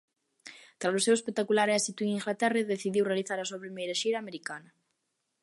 Tralo seu espectacular éxito en Inglaterra decidiu realizar a súa primeira xira americana.